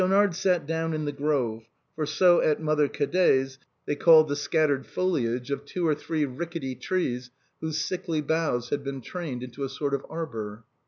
Schaunard sat down in the grove ; for so at " Mother Cadet's " ihey called the scattered foliage of two or three rickety trees whose sickly boughs had been trained into a Bort of arbor.